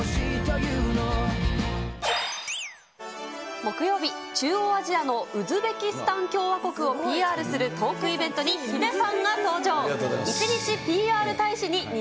木曜日、中央アジアのウズベキスタン共和国をＰＲするトークイベントに、ヒデさんが登場。